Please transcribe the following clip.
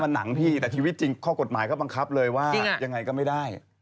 มันหนังพี่แต่ชีวิตจริงข้อกฎหมายเขาบังคับเลยว่ายังไงก็ไม่ได้